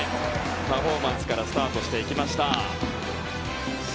パフォーマンスからスタートしていきました。